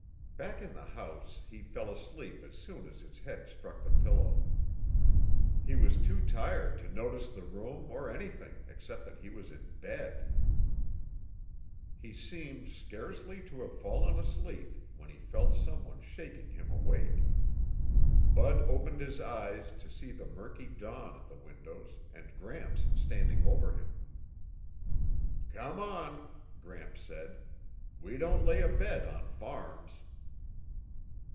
Back in the house he fell asleep as soon as his head struck the pillow. He was too tired to notice the room or anything except that he was in bed. He seemed scarcely to have fallen asleep when he felt someone shaking him awake. Bud opened his eyes to see the murky dawn at the windows and Gramps standing over him. "Come on," Gramps said. "We don't lay abed on farms."